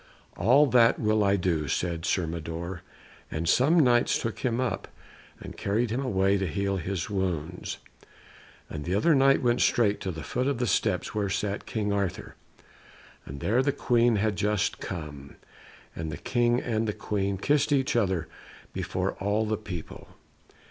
"All that will I do," said Sir Mador, and some Knights took him up, and carried him away to heal his wounds. And the other knight went straight to the foot of the steps where sat King Arthur, and there the Queen had just come, and the King and the Queen kissed each other before all the people.